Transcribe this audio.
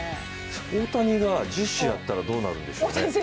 大谷が十種やったら、どうなるんでしょうね。